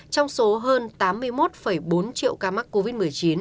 trong số hơn tám mươi một bốn triệu ca mắc covid một mươi chín